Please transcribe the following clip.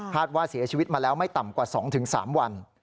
ว่าเสียชีวิตมาแล้วไม่ต่ำกว่า๒๓วัน